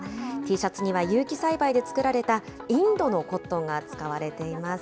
Ｔシャツには有機栽培で作られた、インドのコットンが使われています。